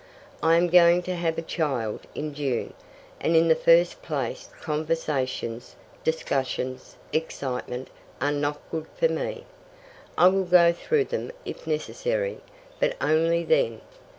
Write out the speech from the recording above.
I am going to have a child in June, and in the first place conversations, discussions, excitement, are not good for me. I will go through them if necessary, but only then.